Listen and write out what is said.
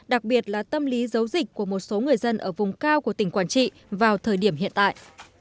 đặc biệt là tâm lý giấu dịch của một số người dân ở vùng cao của tỉnh quảng trị vào thời điểm hiện tại